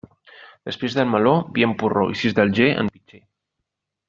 Després del meló, vi en porró, i si és d'Alger, en pitxer.